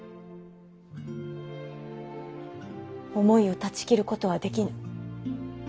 思いを断ち切ることはできぬ。